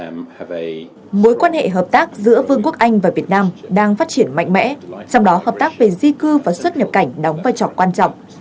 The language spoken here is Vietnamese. mối quan hệ hợp tác giữa vương quốc anh và việt nam đang phát triển mạnh mẽ trong đó hợp tác về di cư và xuất nhập cảnh đóng vai trò quan trọng